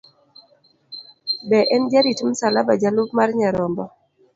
Be an jarit msalaba, jalup mar Nyarombo?